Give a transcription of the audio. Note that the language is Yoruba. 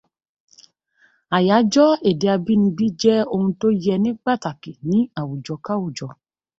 Àyájọ́ èdè abínibí jẹ́ ohun tó yẹ ní pàtàkì ní àwùjọ káwùjọ.